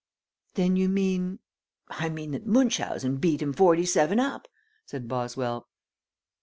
"Then you mean " "I mean that Munchausen beat him forty seven up," said Boswell.